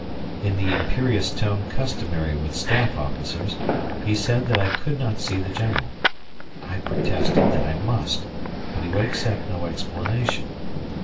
In the imperious tone customary with staff officers, he said that I could not see the General. I protested that I must, but he would accept no explanation.